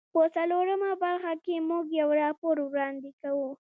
په څلورمه برخه کې موږ یو راپور وړاندې کوو.